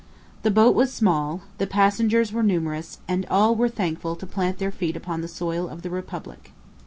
The boat was small, the passengers were numerous, and all were thankful to plant their feet upon the soil of the republic.